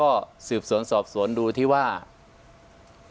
อันดับที่สุดท้าย